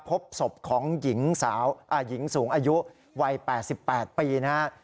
พบศพของหญิงสูงอายุวัย๘๘ปีนะฮะ